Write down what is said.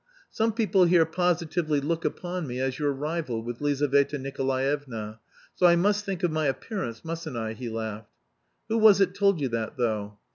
"Some people here positively look upon me as your rival with Lizaveta Nikolaevna, so I must think of my appearance, mustn't I," he laughed. "Who was it told you that though?